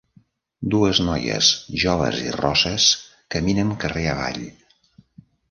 Dues noies joves i rosses caminen carrer avall.